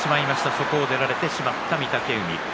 そこで出られてしまった御嶽海です。